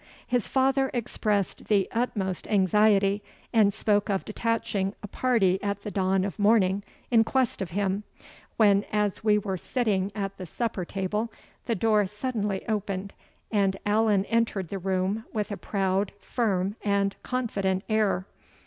His father expressed the utmost anxiety, and spoke of detaching a party at the dawn of morning in quest of him; when, as we were sitting at the supper table, the door suddenly opened, and Allan entered the room with a proud, firm, and confident air.